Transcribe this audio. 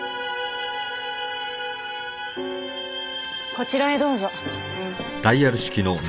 こちらへどうぞ。